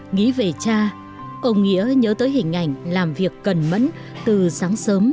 nghĩ về cha ông nghĩa nhớ tới hình ảnh làm việc cẩn mẫn từ sáng sớm